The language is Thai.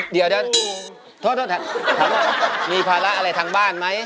เดี๋ยวทดมีภาระอะไรทางบ้านไหม